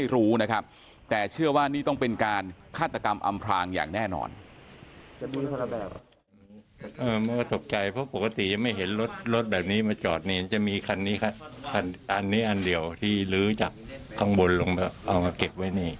รถแบบนี้มาจอดเนี่ยจะมีคันนี้คันนี้อันเดียวที่ลื้อจากข้างบนลงมาเอามาเก็บไว้เนี่ย